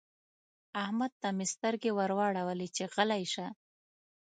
احمد ته مې سترګې ور واړولې چې غلی شه.